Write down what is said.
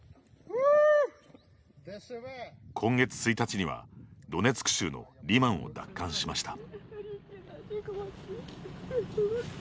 今月１日にはドネツク州のリマンを奪還しました。